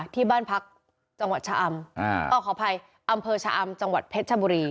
ที่บ้านพักจังหวัดชะอำขออภัยอำเภอชะอำจังหวัดเพชรชบุรี